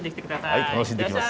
はい楽しんできます。